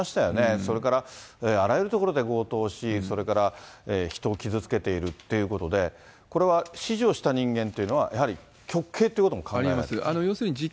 それからあらゆる所で強盗をし、それから人を傷つけているということで、これは指示をした人間というのは、やはり極刑ということも考えられますか。